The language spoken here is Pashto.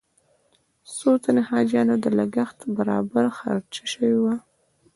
د څو تنو حاجیانو د لګښت برابر خرچه شوې وي.